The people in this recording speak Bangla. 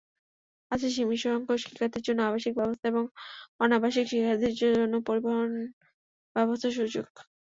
আছে সীমিতসংখ্যক শিক্ষার্থীর জন্য আবাসিক ব্যবস্থা এবং অনাবাসিক শিক্ষার্থীদের জন্য পরিবহনব্যবস্থার সুযোগ।